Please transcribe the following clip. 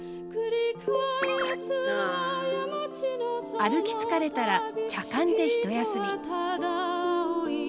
歩き疲れたら茶館で一休み。